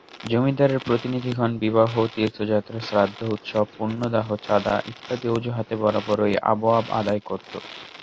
জমিদারদের প্রতিনিধিগণ বিবাহ, তীর্থযাত্রা, শ্রাদ্ধ, উৎসব, পুণ্যাহ, চাঁদা ইত্যাদি অজুহাতে বরাবরই আবওয়াব আদায় করত।